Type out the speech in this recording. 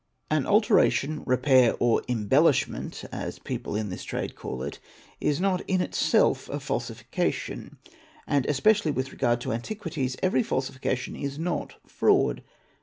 An alteration, repair, or " embellishment '', as people in the trade call it, is not in itself a falsification, and, especially with regard to antiquities, every falsification is not fraud.